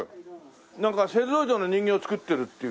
なんかセルロイドの人形作ってるっていう。